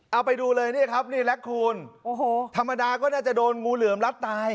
เอาไปดูเลยนี่ครับนี่แล็คคูณโอ้โหธรรมดาก็น่าจะโดนงูเหลือมรัดตาย